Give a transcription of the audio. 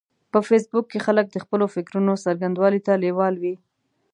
په فېسبوک کې خلک د خپلو فکرونو څرګندولو ته لیوال وي